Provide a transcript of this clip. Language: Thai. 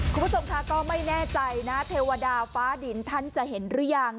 คุณผู้ชมค่ะก็ไม่แน่ใจนะเทวดาฟ้าดินท่านจะเห็นหรือยัง